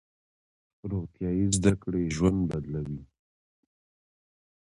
روغتیايي زده کړې ژوند بدلوي.